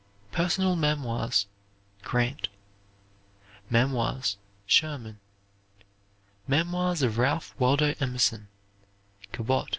"Personal Memoirs," Grant. "Memoirs," Sherman. "Memoirs of Ralph Waldo Emerson," Cabot.